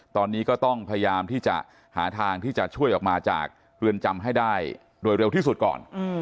ตอนนี้ก็ต้องพยายามที่จะหาทางที่จะช่วยออกมาจากเรือนจำให้ได้โดยเร็วที่สุดก่อน